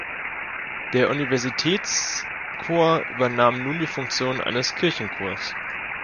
Der Universitätschor übernahm nun die Funktion eines Kirchenchores.